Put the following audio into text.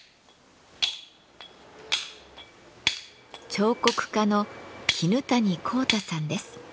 彫刻家の絹谷幸太さんです。